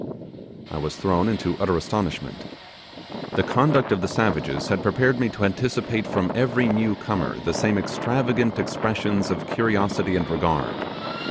I was thrown into utter astonishment. The conduct of the savages had prepared me to anticipate from every newcomer the same extravagant expressions of curiosity and regard.